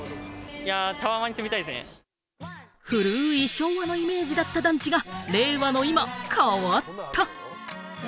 古い、昭和のイメージだった団地が令和の今、変わった！